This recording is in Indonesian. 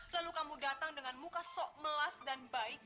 lalu kamu datang dengan muka sok melas dan baik